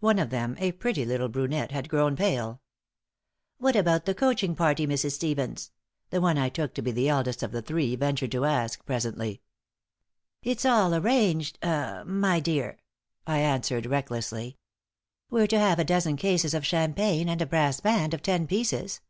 One of them a pretty little brunette had grown pale. "What about the coaching party, Mrs. Stevens?" the one I took to be the eldest of the three ventured to ask, presently. "It's all arranged ah my dear," I answered, recklessly. "We're to have a dozen cases of champagne and a brass band of ten pieces.